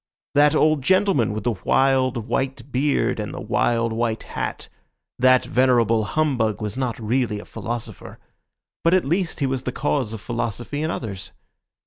That old gentleman with the wild, white beard and the wild, white hat—that venerable humbug was not really a philosopher; but at least he was the cause of philosophy in others.